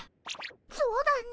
そうだね。